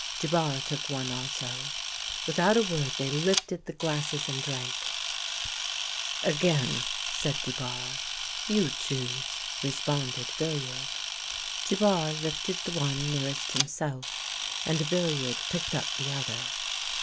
Dubarre took one also. Without a word they lifted the glasses and drank. " Again," said Dubarre. " You choose," responded Villiard. Dubarre lifted the one nearest himself, and Villiard picked up the other.